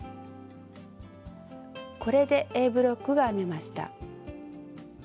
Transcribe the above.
これでＡブロックが編めました。